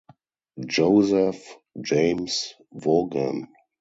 Joseph James Vaughan.